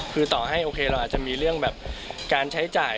คือต่อให้โอเคเราอาจจะมีเรื่องแบบการใช้จ่าย